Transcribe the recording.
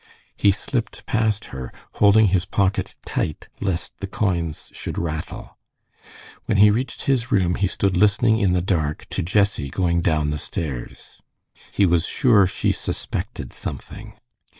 He slipped past her, holding his pocket tight lest the coins should rattle. When he reached his room he stood listening in the dark to Jessie going down the stairs. He was sure she suspected something.